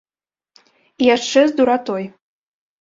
І яшчэ з дуратой.